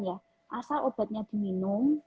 ya asal obatnya diminum